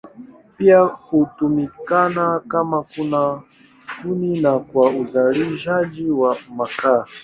Pia hutumika kama kuni na kwa uzalishaji wa makaa.